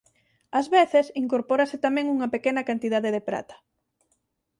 Ás veces incorpórase tamén unha pequena cantidade de prata.